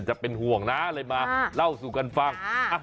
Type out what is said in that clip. จะเป็นห่วงนะเลยมาเล่าสู่กันฟัง